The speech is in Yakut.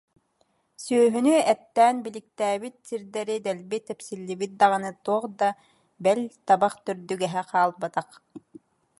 Сүөһүнү эттээн биликтээбит сирдэрэ дэлби тэпсиллибит даҕаны туох да, бэл, табах төрдүгэһэ хаалбатах